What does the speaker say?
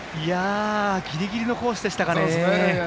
ギリギリのコースでしたね。